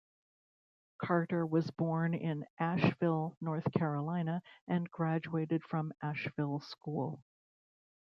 Carter was born in Asheville, North Carolina and graduated from Asheville School.